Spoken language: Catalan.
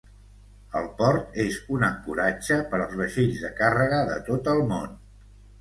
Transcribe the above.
El port és un ancoratge per als vaixells de càrrega de tot el món.